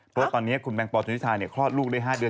เพราะว่าตอนนี้คุณแมงปอลธนิชาคลอดลูกได้๕เดือน